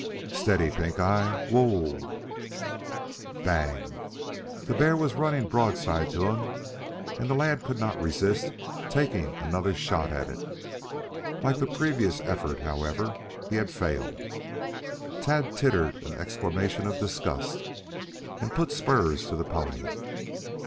Steady, Pink eye. W h o e e!" "Bang!" The bear was running broadside to him and the lad could not resist taking another shot at it. Like the previous effort, however, he had failed. Tad tittered an exclamation of disgust and put spurs to the pony.